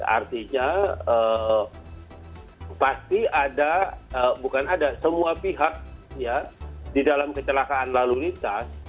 artinya pasti ada bukan ada semua pihak di dalam kecelakaan lalu lintas